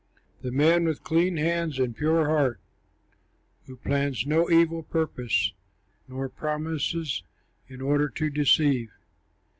The man with clean hands and pure heart, Who plans no evil purpose, Nor promises in order to deceive.